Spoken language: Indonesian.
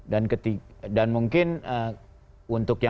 dan mungkin untuk